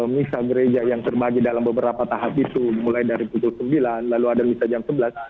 misa gereja yang terbagi dalam beberapa tahap itu mulai dari pukul sembilan lalu ada misa jam sebelas